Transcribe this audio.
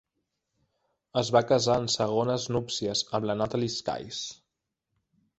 Es va casar en segones núpcies amb la Natalie Sykes.